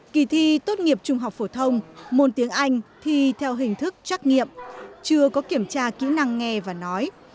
kỳ thi tốt nghiệp trung học phổ thông môn tiếng anh thi theo hình thức trắc nghiệm chưa có kiểm tra kỹ năng nghe và nói